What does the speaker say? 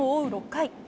６回。